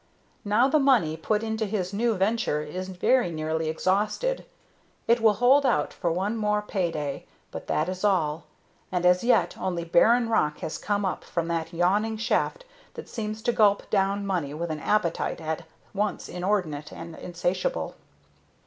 Now the money put into this new venture is very nearly exhausted. It will hold out for one more pay day, but that is all. And as yet only barren rock has come up from that yawning shaft that seems to gulp down money with an appetite at once inordinate and insatiable.